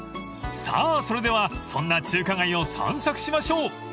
［さあそれではそんな中華街を散策しましょう］